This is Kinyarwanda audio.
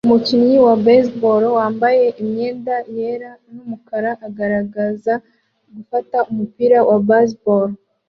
Umukinnyi wa Baseball wambaye imyenda yera numukara aragerageza gufata umupira wa baseball